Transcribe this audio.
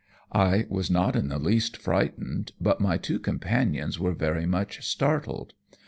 I was not in the least frightened, but my two companions were very much startled.